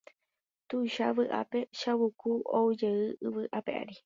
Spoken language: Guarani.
Tuicha vy'ápe Chavuku oujey yvy ape ári